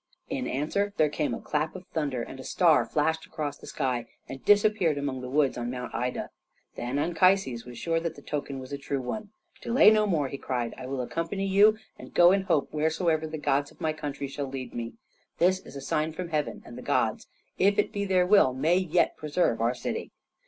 In answer there came a clap of thunder and a star flashed across the sky and disappeared among the woods on Mount Ida. Then Anchises was sure that the token was a true one. "Delay no more!" he cried. "I will accompany you, and go in hope wheresoever the gods of my country shall lead me. This is a sign from heaven, and the gods, if it be their will, may yet preserve our city."